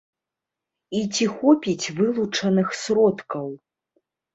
І ці хопіць вылучаных сродкаў?